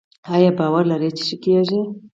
ایا باور لرئ چې ښه کیږئ؟